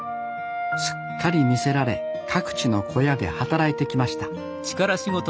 すっかり魅せられ各地の小屋で働いてきました